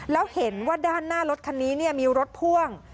แล้วเห็นว่าด้านหน้ารถคันนี้มีรถพ่วง